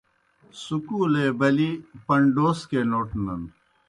سکولے بلِی پنڈَوسکے نوٹنَن۔